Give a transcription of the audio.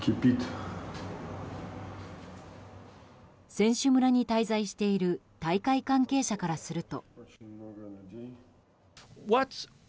選手村に滞在している大会関係者からすると。